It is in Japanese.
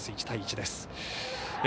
１対１です。